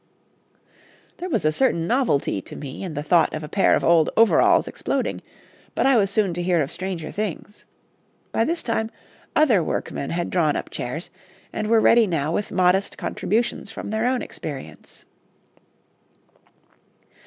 There was a certain novelty to me in the thought of a pair of old overalls exploding; but I was soon to hear of stranger things. By this time other workmen had drawn up chairs, and were ready now with modest contributions from their own experience.